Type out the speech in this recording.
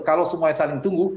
kalau semua yang saling tunggu